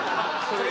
それ」